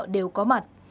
đều có mặt